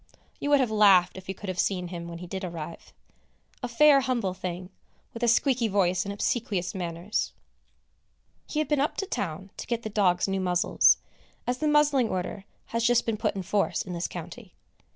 You would have laughed, if you could have seen him when he did arrive! A fair humble thing, with a squeaky voice and obsequious manners. He had been up to town to get the dogs new muzzles, as the muzzling order has just been put in force in this county.